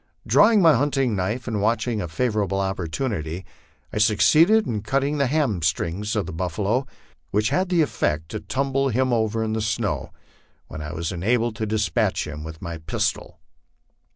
Drawing my hunting knife and watching a favorable oppor tunity, I succeeded in cutting the hamstrings of the buffalo, which had the ef fect to tumble him over in the snow, when I was enabled to despatch him with my pistol.